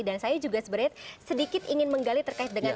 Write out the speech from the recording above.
dan saya juga sedikit ingin menggali terkait dengan